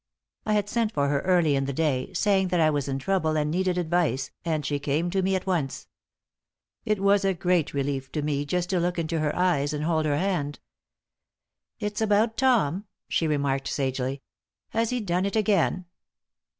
I had sent for her early in the day, saying that I was in trouble and needed advice, and she came to me at once. It was a great relief to me just to look into her eyes and hold her hand. "It's about Tom!" she remarked, sagely. "Has he done it again?"